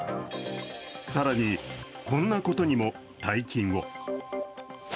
更に、こんなことにも大金を。